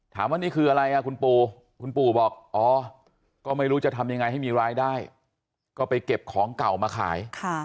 นี่คืออะไรคุณปู่คุณปู่บอกอ๋อก็ไม่รู้จะทำยังไงให้มีรายได้ก็ไปเก็บของเก่ามาขาย